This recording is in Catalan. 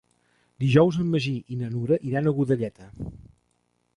Dijous en Magí i na Nura iran a Godelleta.